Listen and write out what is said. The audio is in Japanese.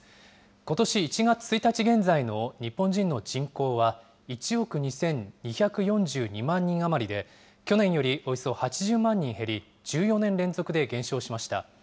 ことし１月１日現在の日本人の人口は、１億２２４２万人余りで、去年よりおよそ８０万人減り、１４年連続で減少しました。